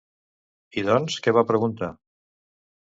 I doncs, què va preguntar?